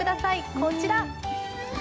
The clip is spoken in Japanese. こちら！